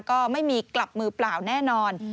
ก็ไม่มีกลับมือเปล่าแน่นอน